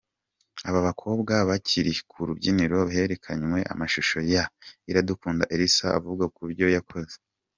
Aba bakobwa bakiri ku rubyiniro herekanywe amashusho ya Iradukunda Elsa avuga kubyo yakoze.